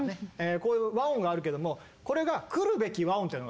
こういう和音があるけどもこれが来るべき和音というのがあるわけですよ。